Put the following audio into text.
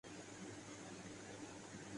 Asian Games میں پاکستان نے چوتھا میڈل جیت لیا